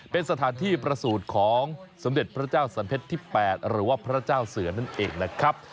เป็นสถานที่ประสูจน์ของสมเด็จพระเจ้าสันเพชรที่๘หรือว่าพระเจ้าเสือนั่นเองนะครับ